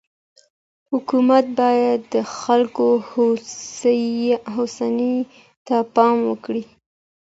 حکومت باید د خلګو هوساینې ته پام وکړي.